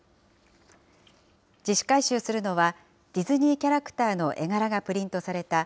自主回収するのは、ディズニーキャラクターの絵柄がプリントされた